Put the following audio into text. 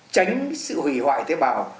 tránh sự hủy hoại tế bào